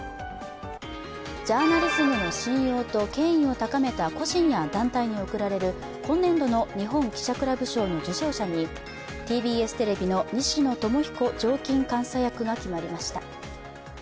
ジャーナリズムの信用と権威を高めた個人や団体に贈られる今年度の日本記者クラブ賞の受賞者にＴＢＳテレビの西野智彦常勤監査役が決まりました。